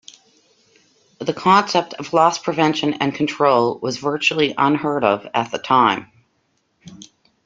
The concept of loss prevention and control was virtually unheard of at the time.